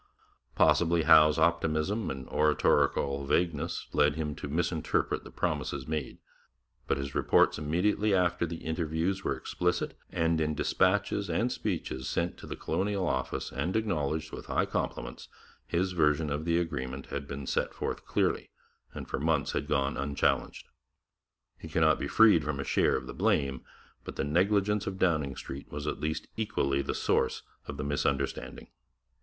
Possibly Howe's optimism and oratorical vagueness led him to misinterpret the promises made, but his reports immediately after the interviews were explicit, and in dispatches and speeches sent to the Colonial Office and acknowledged with high compliments, his version of the agreement had been set forth clearly and for months had gone unchallenged. He cannot be freed from a share of the blame, but the negligence of Downing Street was at least equally the source of the misunderstanding.